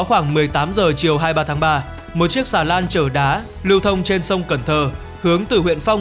khoảng một mươi tám h chiều hai mươi ba tháng ba một chiếc xà lan chở đá lưu thông trên sông cần thơ hướng từ huyện phong